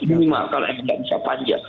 ini mah kalau nggak bisa panja